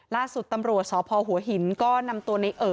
ล่าสุดตำรวจสพหัวหินก็นำตัวในเอ่อ